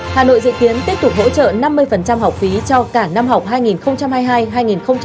hà nội dự kiến tiếp tục hỗ trợ năm mươi học phí cho cả năm học hai nghìn hai mươi hai hai nghìn hai mươi năm